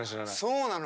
そうなの？